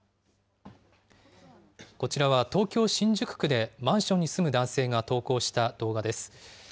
こちらは東京・新宿区でマンションに住む男性が投稿した動画です。